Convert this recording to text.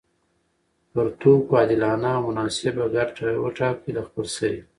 پر توکو عادلانه او مناسب ګټه وټاکي له خپلسري